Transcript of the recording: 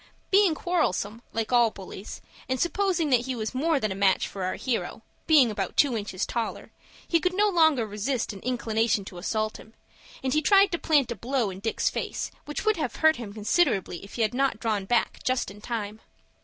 Being quarrelsome, like all bullies, and supposing that he was more than a match for our hero, being about two inches taller, he could no longer resist an inclination to assault him, and tried to plant a blow in Dick's face which would have hurt him considerably if he had not drawn back just in time.